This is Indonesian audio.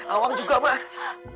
awang juga mak